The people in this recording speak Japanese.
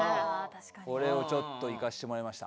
これをちょっといかせてもらいました。